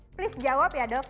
please jawab ya dok